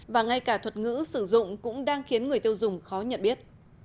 và ngay cả thuật ngữ sử dụng cũng đang khiến người tiêu dùng khó nhận biết